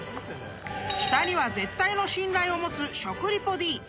［舌には絶対の信頼を持つ食リポＤ］